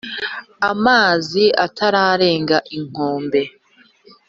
amazi atararenga inkombe